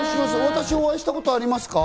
私、お会いしたことありますか？